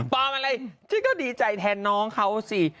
อะไรฉันก็ดีใจแทนน้องเขาสิ